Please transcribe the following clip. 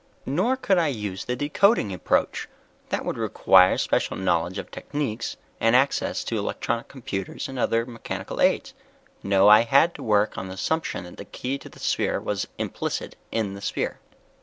Nor could I use a decoding approach that would require special knowledge of techniques and access to electronic computers and other mechanical aids. No, I had to work on the assumption that the key to the sphere was implicit in the sphere."